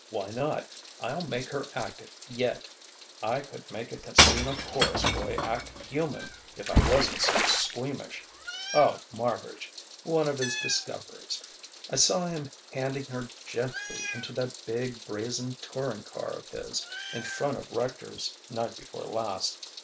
Why not? I'll make her act it yet. I could make a Casino chorus boy act human if I wasn't so squeamish.... Oh, Marbridge one of his discoveries. I saw him handing her gently into that big, brazen touring car of his, in front of Rector's, night before last.